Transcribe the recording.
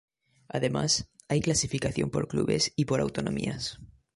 Además, hay clasificación por clubes y por autonomías.